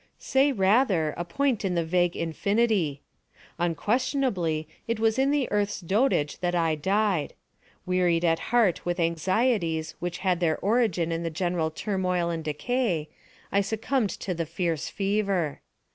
Monos. Say, rather, a point in the vague infinity. Unquestionably, it was in the Earth's dotage that I died. Wearied at heart with anxieties which had their origin in the general turmoil and decay, I succumbed to the fierce fever.